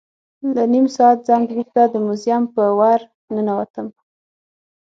له نیم ساعت ځنډ وروسته د موزیم په ور ننوتم.